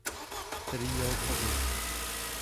Který jel sebou.